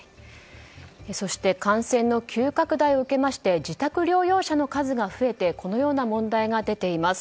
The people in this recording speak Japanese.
そして、感染の急拡大を受けまして自宅療養者の数が増えてこのような問題が出ています。